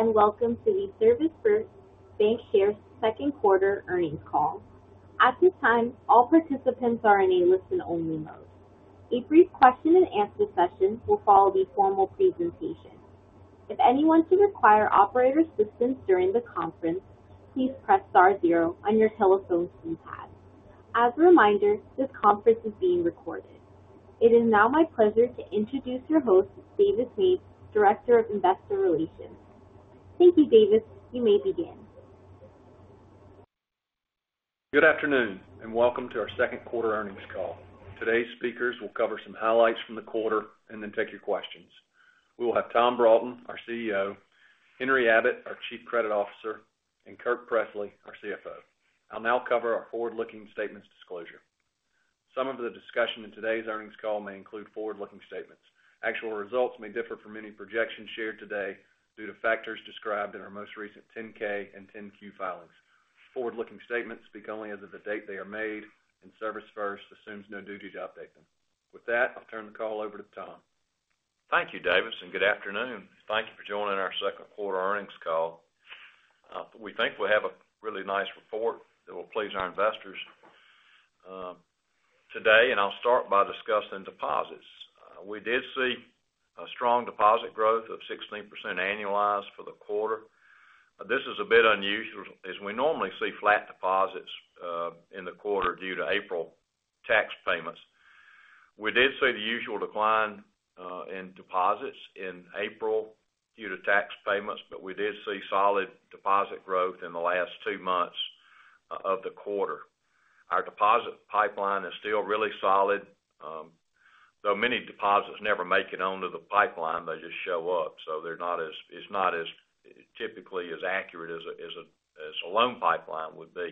Welcome to the ServisFirst Bancshares second quarter earnings call. At this time, all participants are in a listen-only mode. A brief question and answer session will follow the formal presentation. If anyone should require operator assistance during the conference, please press star zero on your telephone keypad. As a reminder, this conference is being recorded. It is now my pleasure to introduce your host, Davis Mange, Director of Investor Relations. Thank you, Davis. You may begin. Good afternoon, and welcome to our second quarter earnings call. Today's speakers will cover some highlights from the quarter and then take your questions. We will have Tom Broughton, our CEO, Henry Abbott, our Chief Credit Officer, and Kirk Pressley, our CFO. I'll now cover our forward-looking statements disclosure. Some of the discussion in today's earnings call may include forward-looking statements. Actual results may differ from any projections shared today due to factors described in our most recent 10-K and 10-Q filings. Forward-looking statements speak only as of the date they are made, and ServisFirst assumes no duty to update them. With that, I'll turn the call over to Tom. Thank you, Davis, and good afternoon. Thank you for joining our second quarter earnings call. We think we have a really nice report that will please our investors, today, and I'll start by discussing deposits. We did see a strong deposit growth of 16% annualized for the quarter. This is a bit unusual, as we normally see flat deposits in the quarter due to April tax payments. We did see the usual decline in deposits in April due to tax payments, but we did see solid deposit growth in the last two months of the quarter. Our deposit pipeline is still really solid, though many deposits never make it onto the pipeline, they just show up, so they're not as accurate, typically, as a loan pipeline would be.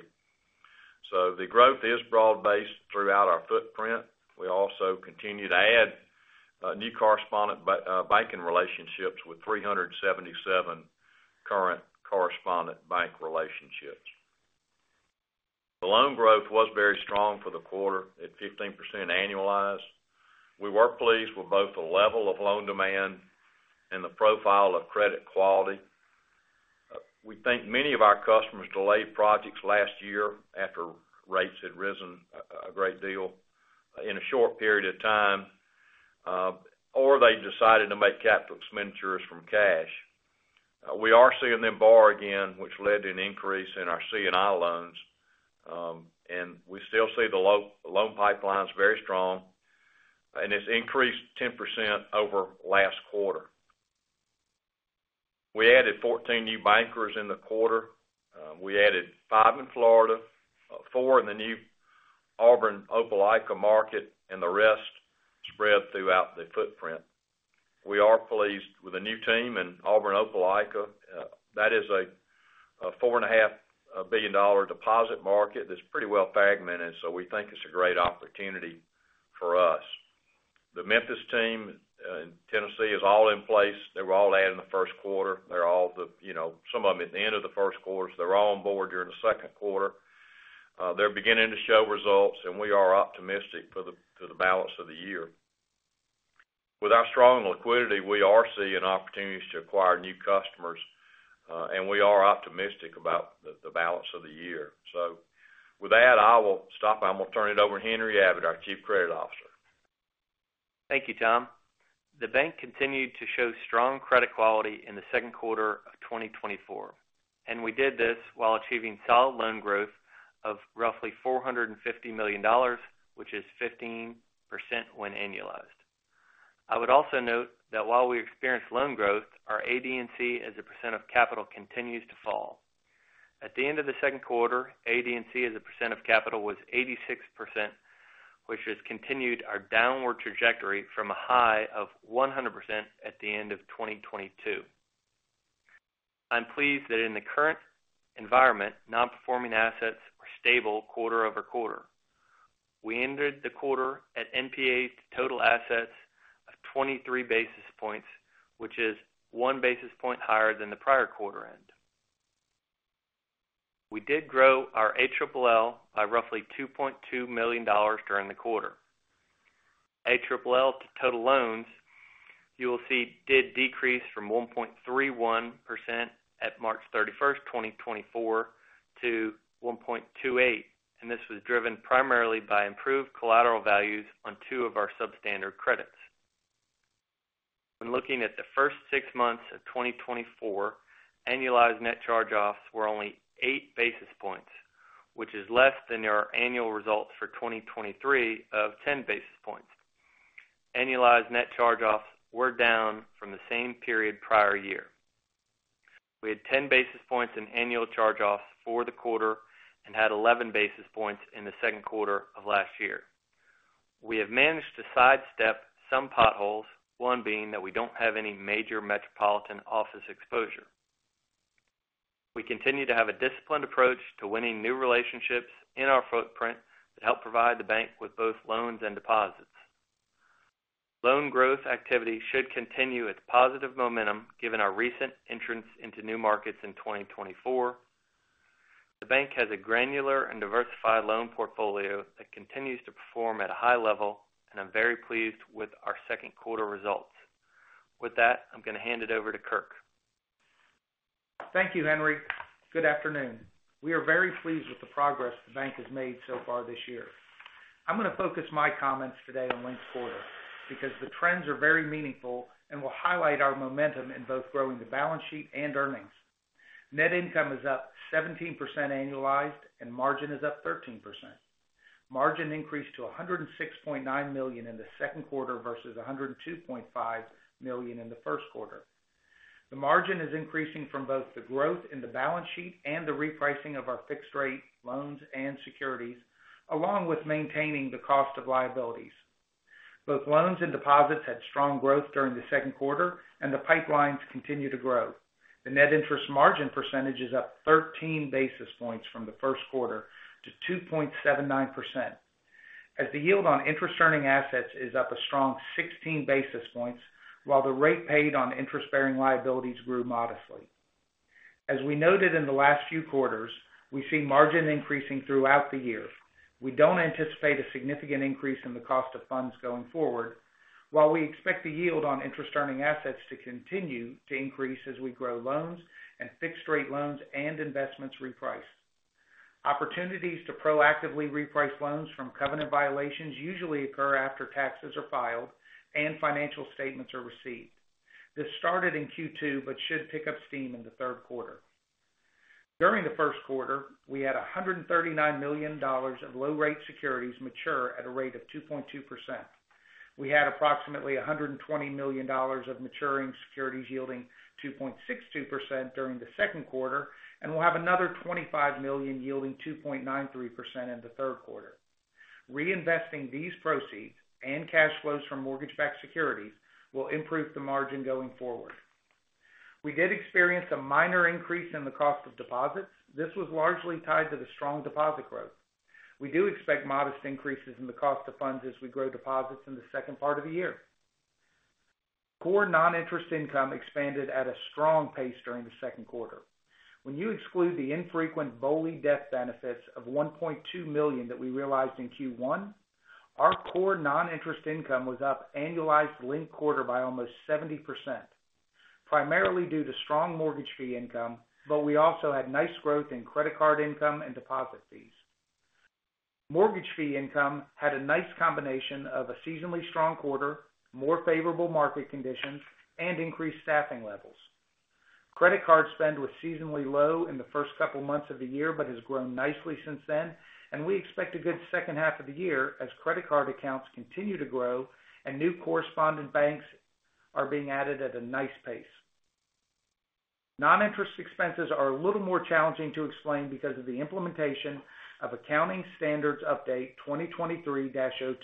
So the growth is broad-based throughout our footprint. We also continue to add new correspondent banking relationships with 377 current correspondent bank relationships. The loan growth was very strong for the quarter at 15% annualized. We were pleased with both the level of loan demand and the profile of credit quality. We think many of our customers delayed projects last year after rates had risen a great deal in a short period of time, or they decided to make capital expenditures from cash. We are seeing them borrow again, which led to an increase in our C&I loans, and we still see the loan pipeline is very strong, and it's increased 10% over last quarter. We added 14 new bankers in the quarter. We added five in Florida, four in the new Auburn-Opelika market, and the rest spread throughout the footprint. We are pleased with the new team in Auburn-Opelika. That is a $4.5 billion deposit market that's pretty well fragmented, so we think it's a great opportunity for us. The Memphis team in Tennessee is all in place. They were all added in the first quarter. They're all the, you know, some of them at the end of the first quarter, so they're all on board during the second quarter. They're beginning to show results, and we are optimistic for the balance of the year. With our strong liquidity, we are seeing opportunities to acquire new customers, and we are optimistic about the balance of the year. So with that, I will stop, and I'm going to turn it over to Henry Abbott, our Chief Credit Officer. Thank you, Tom. The bank continued to show strong credit quality in the second quarter of 2024, and we did this while achieving solid loan growth of roughly $450 million, which is 15% when annualized. I would also note that while we experienced loan growth, our AD&C, as a percent of capital, continues to fall. At the end of the second quarter, AD&C, as a percent of capital, was 86%, which has continued our downward trajectory from a high of 100% at the end of 2022. I'm pleased that in the current environment, non-performing assets are stable quarter-over-quarter. We ended the quarter at NPAs to total assets of 23 basis points, which is 1 basis point higher than the prior quarter end. We did grow our ALL by roughly $2.2 million during the quarter. ALL to total loans, you will see, did decrease from 1.31% at March 31st, 2024, to 1.28%, and this was driven primarily by improved collateral values on two of our substandard credits. When looking at the first six months of 2024, annualized net charge-offs were only 8 basis points, which is less than our annual results for 2023 of 10 basis points. Annualized net charge-offs were down from the same period prior year. We had 10 basis points in annual charge-offs for the quarter and had 11 basis points in the second quarter of last year. We have managed to sidestep some potholes, one being that we don't have any major metropolitan office exposure. We continue to have a disciplined approach to winning new relationships in our footprint to help provide the bank with both loans and deposits. Loan growth activity should continue its positive momentum, given our recent entrance into new markets in 2024. The bank has a granular and diversified loan portfolio that continues to perform at a high level, and I'm very pleased with our second quarter results. With that, I'm going to hand it over to Kirk. Thank you, Henry. Good afternoon. We are very pleased with the progress the bank has made so far this year. I'm going to focus my comments today on linked quarter, because the trends are very meaningful and will highlight our momentum in both growing the balance sheet and earnings. Net income is up 17% annualized, and margin is up 13%. Margin increased to $106.9 million in the second quarter versus $102.5 million in the first quarter. The margin is increasing from both the growth in the balance sheet and the repricing of our fixed-rate loans and securities, along with maintaining the cost of liabilities. Both loans and deposits had strong growth during the second quarter, and the pipelines continue to grow. The net interest margin percentage is up 13 basis points from the first quarter to 2.79%. As the yield on interest-earning assets is up a strong 16 basis points, while the rate paid on interest-bearing liabilities grew modestly. As we noted in the last few quarters, we see margin increasing throughout the year. We don't anticipate a significant increase in the cost of funds going forward, while we expect the yield on interest-earning assets to continue to increase as we grow loans and fixed-rate loans and investments reprice. Opportunities to proactively reprice loans from covenant violations usually occur after taxes are filed and financial statements are received. This started in Q2, but should pick up steam in the third quarter. During the first quarter, we had $139 million of low-rate securities mature at a rate of 2.2%. We had approximately $120 million of maturing securities yielding 2.62% during the second quarter, and we'll have another $25 million yielding 2.93% in the third quarter. Reinvesting these proceeds and cash flows from mortgage-backed securities will improve the margin going forward. We did experience a minor increase in the cost of deposits. This was largely tied to the strong deposit growth. We do expect modest increases in the cost of funds as we grow deposits in the second part of the year. Core non-interest income expanded at a strong pace during the second quarter. When you exclude the infrequent BOLI death benefits of $1.2 million that we realized in Q1, our core non-interest income was up annualized linked quarter by almost 70%, primarily due to strong mortgage fee income, but we also had nice growth in credit card income and deposit fees. Mortgage fee income had a nice combination of a seasonally strong quarter, more favorable market conditions, and increased staffing levels. Credit card spend was seasonally low in the first couple of months of the year, but has grown nicely since then, and we expect a good second half of the year as credit card accounts continue to grow and new correspondent banks are being added at a nice pace. Non-interest expenses are a little more challenging to explain because of the implementation of Accounting Standards Update 2023-02.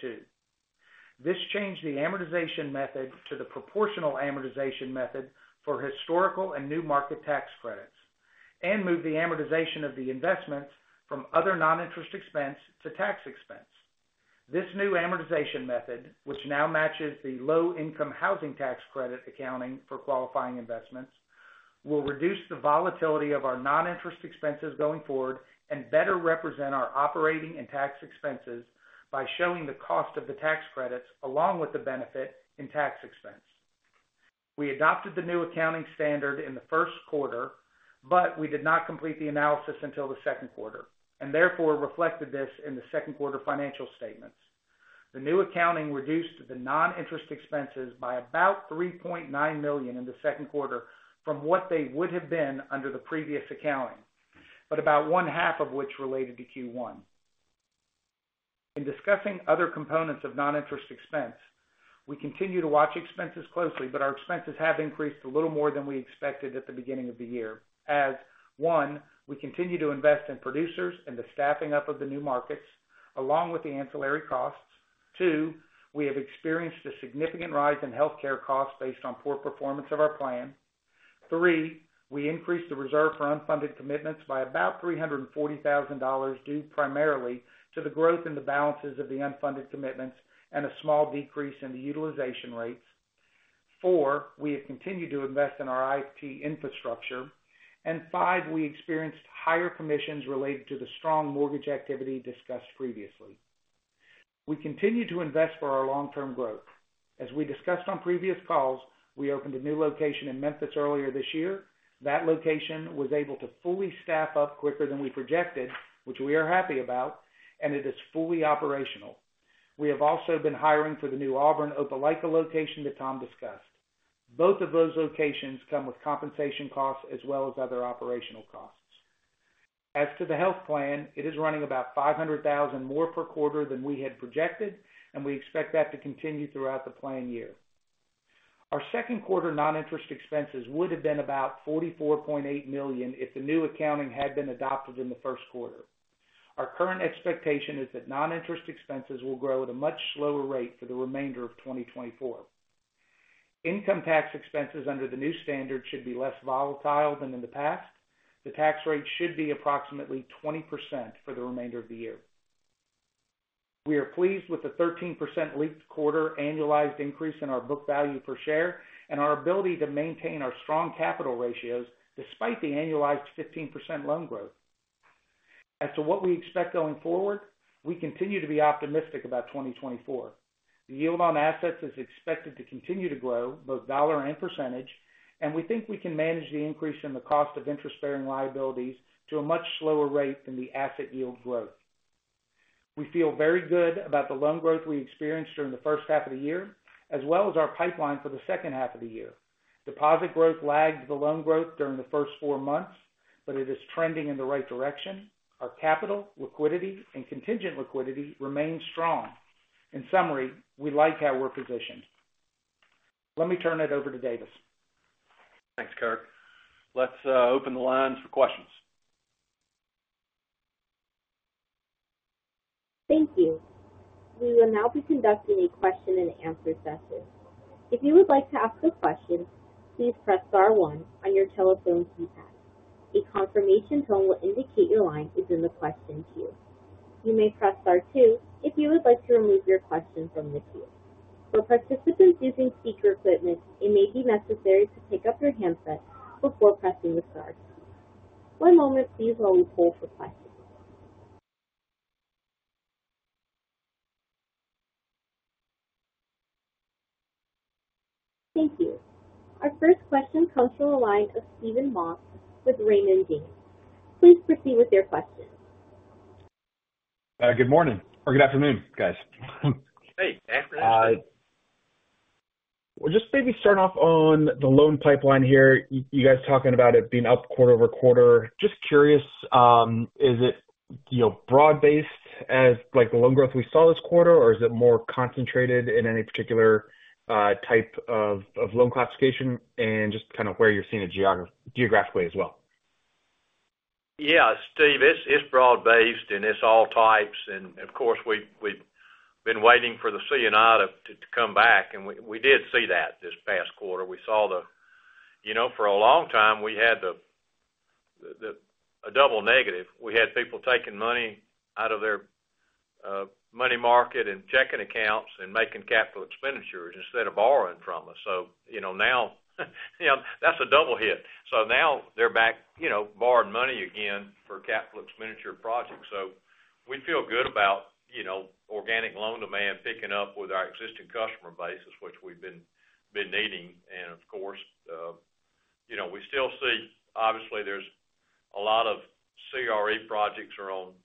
This changed the amortization method to the proportional amortization method for historical and new market tax credits, and moved the amortization of the investments from other non-interest expense to tax expense. This new amortization method, which now matches the low-income housing tax credit accounting for qualifying investments, will reduce the volatility of our non-interest expenses going forward and better represent our operating and tax expenses by showing the cost of the tax credits along with the benefit in tax expense. We adopted the new accounting standard in the first quarter, but we did not complete the analysis until the second quarter, and therefore reflected this in the second quarter financial statements. The new accounting reduced the non-interest expenses by about $3.9 million in the second quarter from what they would have been under the previous accounting, but about one half of which related to Q1. In discussing other components of non-interest expense, we continue to watch expenses closely, but our expenses have increased a little more than we expected at the beginning of the year. As one, we continue to invest in producers and the staffing up of the new markets, along with the ancillary costs. Two, we have experienced a significant rise in healthcare costs based on poor performance of our plan. Three, we increased the reserve for unfunded commitments by about $340,000, due primarily to the growth in the balances of the unfunded commitments and a small decrease in the utilization rates. Four, we have continued to invest in our IT infrastructure. And five, we experienced higher commissions related to the strong mortgage activity discussed previously. We continue to invest for our long-term growth. As we discussed on previous calls, we opened a new location in Memphis earlier this year. That location was able to fully staff up quicker than we projected, which we are happy about, and it is fully operational. We have also been hiring for the new Auburn-Opelika location that Tom discussed. Both of those locations come with compensation costs as well as other operational costs. As to the health plan, it is running about $500,000 more per quarter than we had projected, and we expect that to continue throughout the plan year. Our second quarter non-interest expenses would have been about $44.8 million if the new accounting had been adopted in the first quarter. Our current expectation is that non-interest expenses will grow at a much slower rate for the remainder of 2024. Income tax expenses under the new standard should be less volatile than in the past. The tax rate should be approximately 20% for the remainder of the year. We are pleased with the 13% linked quarter annualized increase in our book value per share and our ability to maintain our strong capital ratios despite the annualized 15% loan growth. As to what we expect going forward, we continue to be optimistic about 2024. The yield on assets is expected to continue to grow, both dollar and percentage, and we think we can manage the increase in the cost of interest-bearing liabilities to a much slower rate than the asset yield growth. We feel very good about the loan growth we experienced during the first half of the year, as well as our pipeline for the second half of the year. Deposit growth lagged the loan growth during the first four months, but it is trending in the right direction. Our capital, liquidity, and contingent liquidity remain strong. In summary, we like how we're positioned. Let me turn it over to Davis. Thanks, Kirk. Let's open the lines for questions. Thank you. We will now be conducting a question-and-answer session. If you would like to ask a question, please press star one on your telephone keypad. A confirmation tone will indicate your line is in the question queue. You may press star two if you would like to remove your question from the queue. For participants using speaker equipment, it may be necessary to pick up your handset before pressing the star key. One moment please while we poll for questions. Thank you. Our first question comes from the line of Steve Moss with Raymond James. Please proceed with your question. Good morning or good afternoon, guys. Hey, afternoon. Well, just maybe start off on the loan pipeline here. You guys talking about it being up quarter-over-quarter. Just curious, is it, you know, broad-based as, like, the loan growth we saw this quarter, or is it more concentrated in any particular type of loan classification, and just kind of where you're seeing it geographically as well? Yeah, Steve, it's, it's broad-based, and it's all types. And of course, we've, we've been waiting for the C&I to, to come back, and we, we did see that this past quarter. We saw the, you know, for a long time, we had the, the, a double negative. We had people taking money out of their money market and checking accounts and making capital expenditures instead of borrowing from us. So you know, now, you know, that's a double hit. So now they're back, you know, borrowing money again for capital expenditure projects. So we feel good about, you know, organic loan demand picking up with our existing customer base, which we've been, been needing. And of course, you know, we still see, obviously, there's a lot of CRE projects are on,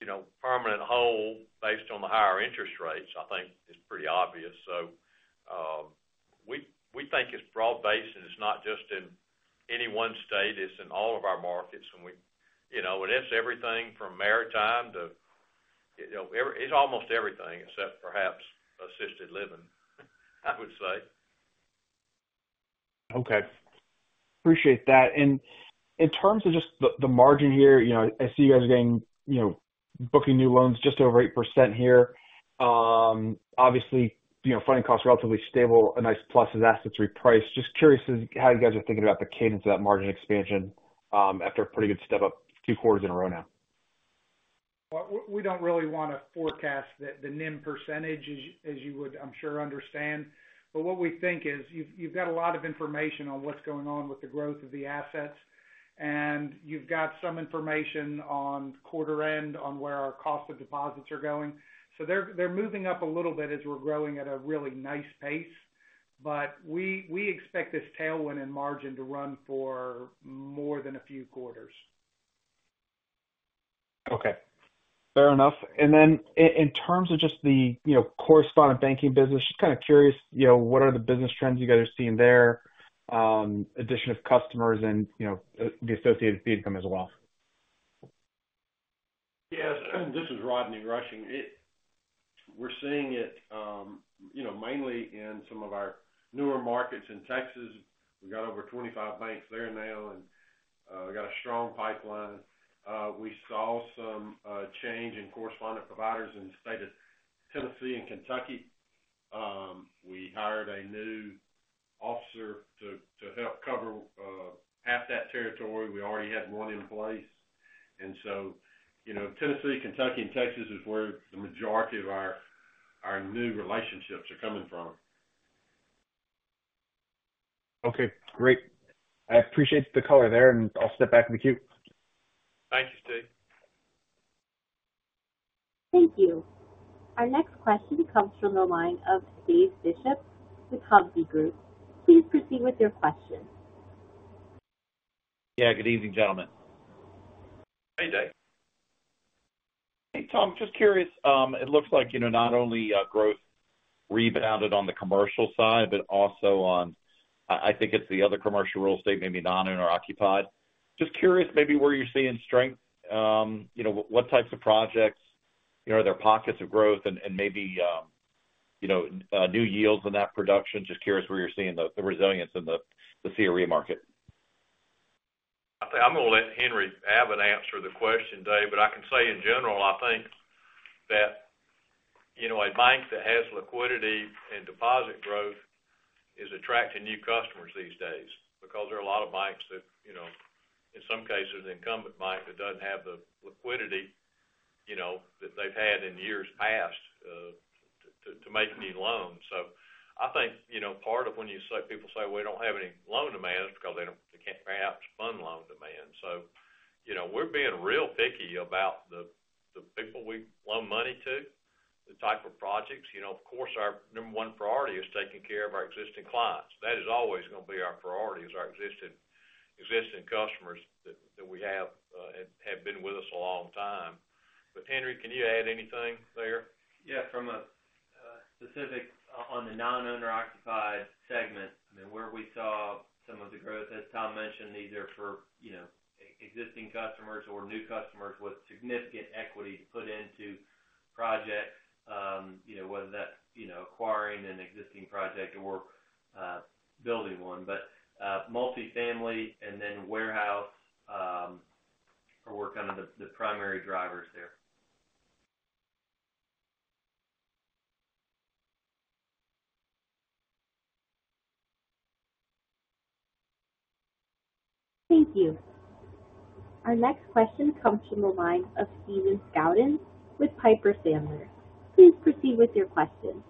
you know, permanent hold based on the higher interest rates, I think is pretty obvious. So, we think it's broad-based, and it's not just in any one state, it's in all of our markets. And, you know, it's everything from maritime to, you know, every, it's almost everything except perhaps assisted living, I would say. Okay. Appreciate that. In terms of just the margin here, you know, I see you guys getting, you know, booking new loans just over 8% here. Obviously, you know, funding costs are relatively stable, a nice plus as assets reprice. Just curious as how you guys are thinking about the cadence of that margin expansion, after a pretty good step up two quarters in a row now. Well, we don't really want to forecast the NIM percentage, as you would, I'm sure, understand. But what we think is, you've got a lot of information on what's going on with the growth of the assets, and you've got some information on quarter end on where our cost of deposits are going. So they're moving up a little bit as we're growing at a really nice pace, but we expect this tailwind and margin to run for more than a few quarters. Okay, fair enough. And then in terms of just the, you know, correspondent banking business, just kind of curious, you know, what are the business trends you guys are seeing there, addition of customers and, you know, the associated fee income as well? Yes, this is Rodney Rushing. We're seeing it, you know, mainly in some of our newer markets in Texas. We've got over 25 banks there now, and we got a strong pipeline. We saw some change in correspondent providers in the state of Tennessee and Kentucky. We hired a new officer to help cover half that territory. We already had one in place. And so, you know, Tennessee, Kentucky, and Texas is where the majority of our new relationships are coming from. Okay, great. I appreciate the color there, and I'll step back in the queue. Thank you, Steve. Thank you. Our next question comes from the line of David Bishop with Hovde Group. Please proceed with your question. Yeah, good evening, gentlemen. Hey, Dave. Hey, Tom, just curious, it looks like, you know, not only growth rebounded on the commercial side, but also on, I think it's the other commercial real estate, maybe non-owner occupied. Just curious, maybe where you're seeing strength, you know, what types of projects, you know, are there pockets of growth and, and maybe, you know, new yields in that production? Just curious where you're seeing the resilience in the CRE market. I think I'm going to let Henry Abbott answer the question, Dave, but I can say in general, I think that you know, a bank that has liquidity and deposit growth is attracting new customers these days because there are a lot of banks that, you know, in some cases, an incumbent bank that doesn't have the liquidity, you know, that they've had in years past to make any loans. So I think, you know, part of when you say people say, we don't have any loan demand, it's because they can't perhaps fund loan demand. So, you know, we're being real picky about the people we loan money to, the type of projects. You know, of course, our number one priority is taking care of our existing clients. That is always going to be our priority, is our existing customers that we have, and have been with us a long time. But, Henry, can you add anything there? Yeah, from a specific on the non-owner occupied segment, I mean, where we saw some of the growth, as Tom mentioned, these are for, you know, existing customers or new customers with significant equity put into projects, you know, whether that's, you know, acquiring an existing project or building one. But multifamily and then warehouse were kind of the primary drivers there. Thank you. Our next question comes from the line of Stephen Scouten with Piper Sandler. Please proceed with your question.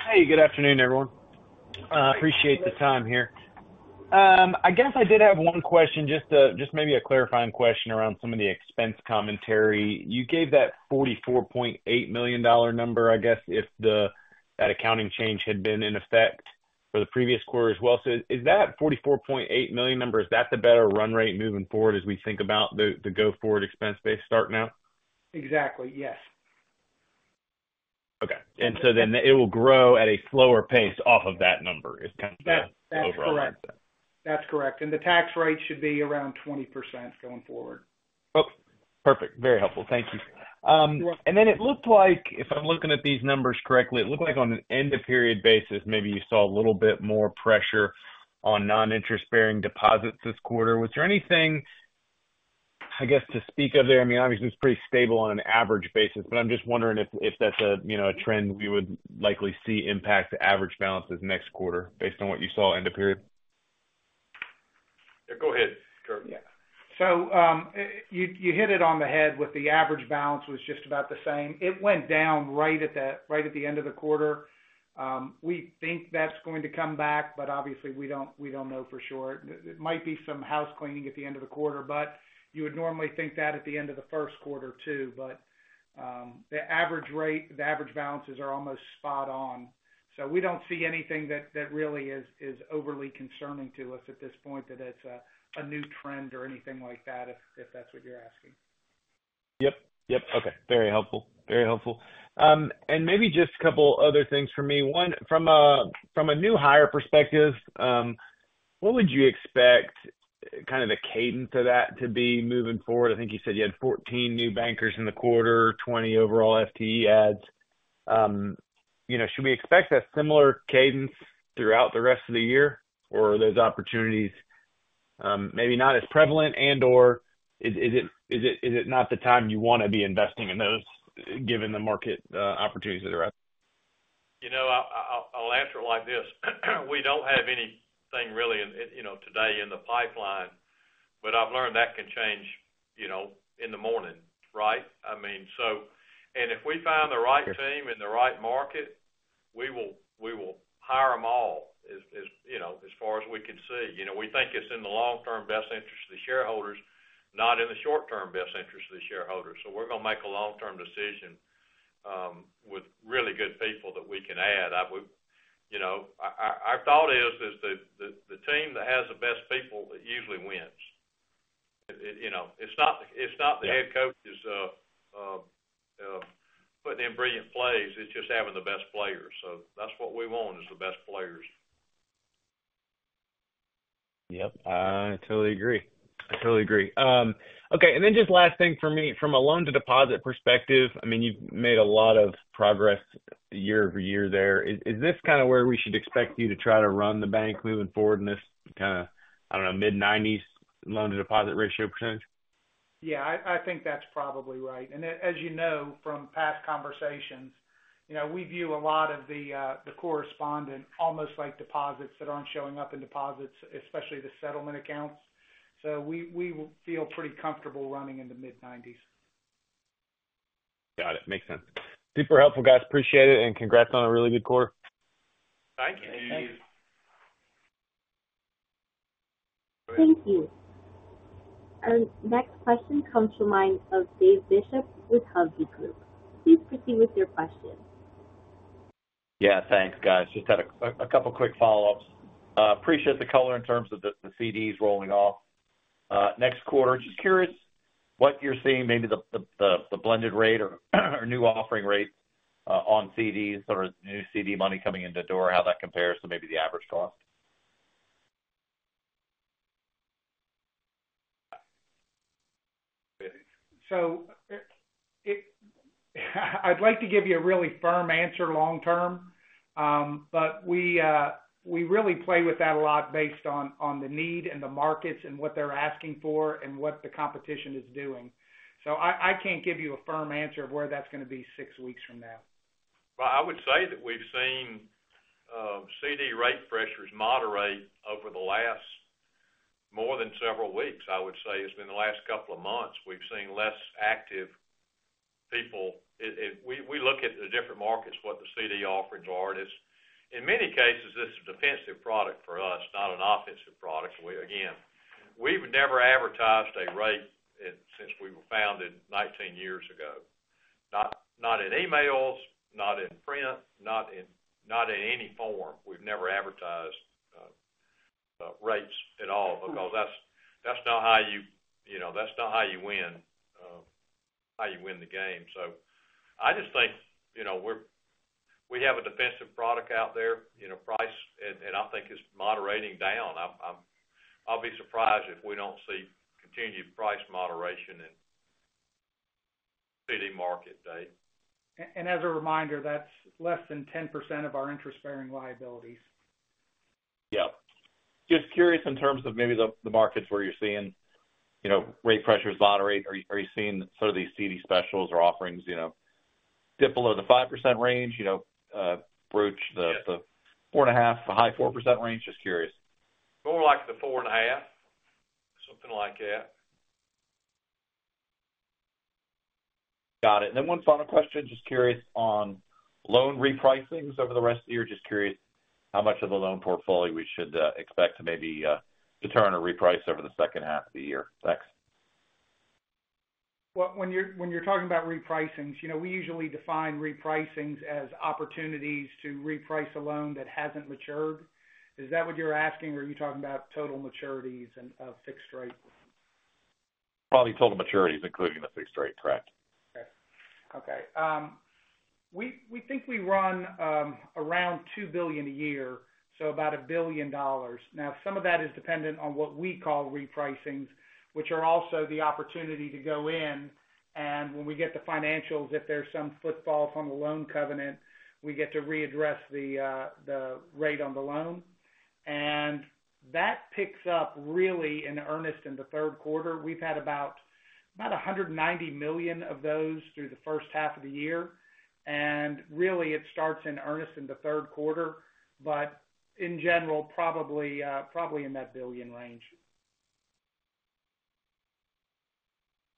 Hey, good afternoon, everyone. Appreciate the time here. I guess I did have one question, just, just maybe a clarifying question around some of the expense commentary. You gave that $44.8 million number, I guess, if that accounting change had been in effect for the previous quarter as well. So is that $44.8 million number the better run rate moving forward as we think about the go-forward expense base starting now? Exactly, yes. Okay. And so then it will grow at a slower pace off of that number is kind of the overall- That, that's correct. That's correct. And the tax rate should be around 20% going forward. Oh, perfect. Very helpful. Thank you. You're welcome. And then it looked like, if I'm looking at these numbers correctly, it looked like on an end-of-period basis, maybe you saw a little bit more pressure on non-interest-bearing deposits this quarter. Was there anything, I guess, to speak of there? I mean, obviously, it's pretty stable on an average basis, but I'm just wondering if that's a, you know, a trend we would likely see impact the average balances next quarter based on what you saw end of period. Yeah, go ahead, Kirk. Yeah. So, you hit it on the head with the average balance was just about the same. It went down right at the end of the quarter. We think that's going to come back, but obviously, we don't know for sure. It might be some housecleaning at the end of the quarter, but you would normally think that at the end of the first quarter, too. But, the average rate, the average balances are almost spot on. So we don't see anything that really is overly concerning to us at this point, that it's a new trend or anything like that, if that's what you're asking. Yep. Yep. Okay. Very helpful. Very helpful. And maybe just a couple other things for me. One, from a new hire perspective, what would you expect kind of the cadence of that to be moving forward? I think you said you had 14 new bankers in the quarter, 20 overall FTE adds. You know, should we expect that similar cadence throughout the rest of the year? Or are those opportunities maybe not as prevalent and/or is it not the time you want to be investing in those given the market opportunities that are out? You know, I'll answer it like this. We don't have anything really, you know, today in the pipeline, but I've learned that can change, you know, in the morning, right? I mean, and if we find the right team in the right market, we will hire them all as, you know, as far as we can see. You know, we think it's in the long-term best interest of the shareholders, not in the short-term best interest of the shareholders. So we're going to make a long-term decision with really good people that we can add. I would, you know, our thought is the team that has the best people usually wins. You know, it's not the head coach is putting in brilliant plays, it's just having the best players. So that's what we want, is the best players. Yep, I totally agree. I totally agree. Okay, and then just last thing for me, from a loan to deposit perspective, I mean, you've made a lot of progress year-over-year there. Is this kind of where we should expect you to try to run the bank moving forward in this kind of, I don't know, mid-nineties loan to deposit ratio percentage? Yeah, I think that's probably right. And as you know from past conversations, you know, we view a lot of the correspondent, almost like deposits that aren't showing up in deposits, especially the settlement accounts. So we feel pretty comfortable running in the mid-nineties. Got it. Makes sense. Super helpful, guys. Appreciate it, and congrats on a really good quarter. Thank you. Thanks. Thank you. Our next question comes from the line of David Bishop with Hovde Group. Please proceed with your question. Yeah, thanks, guys. Just had a couple quick follow-ups. Appreciate the color in terms of the CDs rolling off next quarter. Just curious what you're seeing, maybe the blended rate or new offering rate on CDs or new CD money coming into the door, how that compares to maybe the average cost? So, I'd like to give you a really firm answer long term, but we, we really play with that a lot based on, on the need and the markets and what they're asking for and what the competition is doing. So I, I can't give you a firm answer of where that's going to be six weeks from now. Well, I would say that we've seen CD rate pressures moderate over the last more than several weeks, I would say. It's been the last couple of months; we've seen less active people. We look at the different markets, what the CD offerings are, and it's, in many cases, this is a defensive product for us, not an offensive product. We, again, we've never advertised a rate since we were founded 19 years ago. Not in emails, not in print, not in any form. We've never advertised rates at all, because that's not how you win, you know, how you win the game. So I just think, you know, we have a defensive product out there, you know, priced, and I think it's moderating down. I'll be surprised if we don't see continued price moderation in CD market, Dave. And, as a reminder, that's less than 10% of our interest-bearing liabilities. Yep. Just curious in terms of maybe the markets where you're seeing, you know, rate pressures moderate, are you seeing sort of these CD specials or offerings, you know, dip below the 5% range, you know, broach the the 4.5, the high 4% range? Just curious. More like the 4.5, something like that. Got it. Then one final question, just curious on loan repricings over the rest of the year. Just curious how much of the loan portfolio we should expect to maybe determine a reprice over the second half of the year? Thanks. Well, when you're, when you're talking about repricings, you know, we usually define repricings as opportunities to reprice a loan that hasn't matured. Is that what you're asking, or are you talking about total maturities and fixed rate? Probably total maturities, including the fixed rate, correct. Okay. Okay, we, we think we run around $2 billion a year, so about $1 billion. Now, some of that is dependent on what we call repricings, which are also the opportunity to go in, and when we get the financials, if there's some footfall from the loan covenant, we get to readdress the the rate on the loan. And that picks up really in earnest in the third quarter. We've had about, about $190 million of those through the first half of the year, and really, it starts in earnest in the third quarter, but in general, probably, probably in that $1 billion range.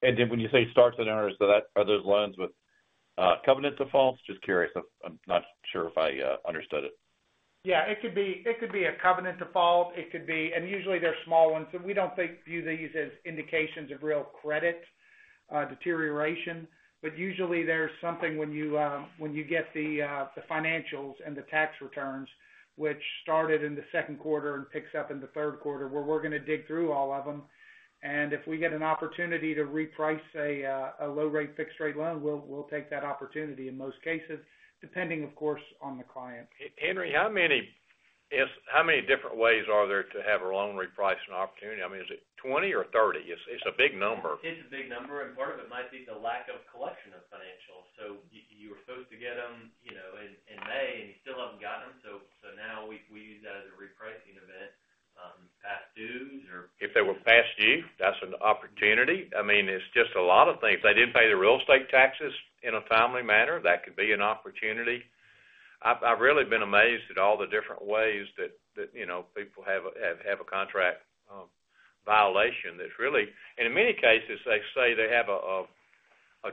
And then when you say starts in earnest, so that, are those loans with covenant defaults? Just curious. I'm not sure if I understood it. Yeah, it could be, it could be a covenant default, it could be, and usually they're small ones, so we don't think, view these as indications of real credit deterioration. But usually there's something when you when you get the the financials and the tax returns, which started in the second quarter and picks up in the third quarter, where we're gonna dig through all of them. And if we get an opportunity to reprice a a low rate, fixed rate loan, we'll we'll take that opportunity in most cases, depending, of course, on the client. Henry, how many, yes, how many different ways are there to have a loan repricing opportunity? I mean, is it 20 or 30? It's a big number. It's a big number, and part of it might be the lack of collection of financials. So you were supposed to get them, you know, in May, and you still haven't got them, so now we use that as a repricing event, past dues or if they were past due, that's an opportunity. I mean, it's just a lot of things. They didn't pay their real estate taxes in a timely manner, that could be an opportunity. I've really been amazed at all the different ways that, you know, people have a contract violation. That's really, and in many cases, they say they have a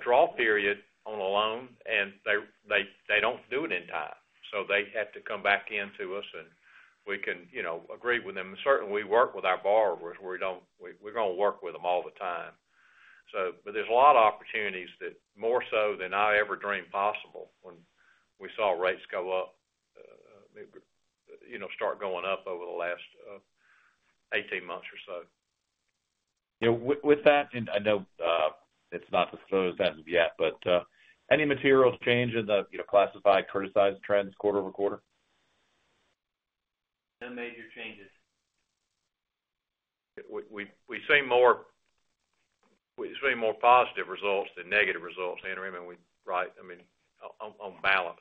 draw period on a loan, and they don't do it in time. So they have to come back in to us, and we can, you know, agree with them. And certainly, we work with our borrowers, we don't, we're gonna work with them all the time. But there's a lot of opportunities that more so than I ever dreamed possible when we saw rates go up, you know, start going up over the last 18 months or so. Yeah, with that, and I know it's not disclosed as of yet, but any material change in the, you know, classified criticized trends quarter-over-quarter? No major changes. We see more positive results than negative results, Henry. I mean, we, right? I mean, on balance.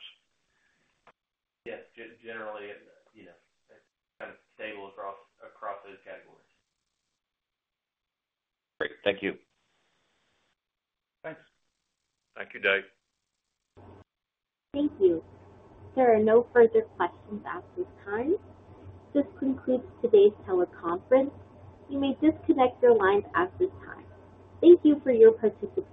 Yes, generally, you know, it's kind of stable across, across those categories. Great. Thank you. Thanks. Thank you, David. Thank you. There are no further questions at this time. This concludes today's teleconference. You may disconnect your lines at this time. Thank you for your participation.